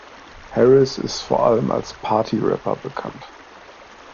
Harris ist vor allem als "Party-Rapper" bekannt.